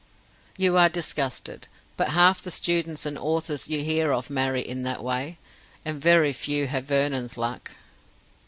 "You are disgusted. But half the students and authors you hear of marry in that way. And very few have Vernon's luck."